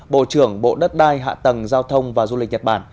bộ trưởng bộ đất đai hạ tầng giao thông và du lịch nhật bản